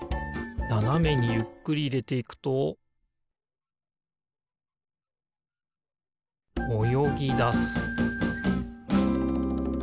ななめにゆっくりいれていくとおよぎだす